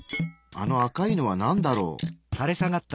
あの赤いのはなんだろう？